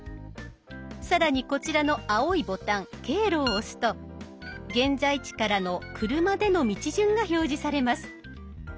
更にこちらの青いボタン「経路」を押すと現在地からの車での道順が表示されます。